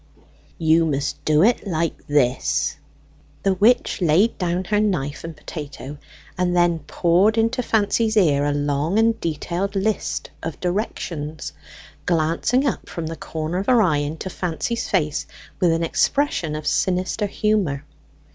"You must do it like this." The witch laid down her knife and potato, and then poured into Fancy's ear a long and detailed list of directions, glancing up from the corner of her eye into Fancy's face with an expression of sinister humour.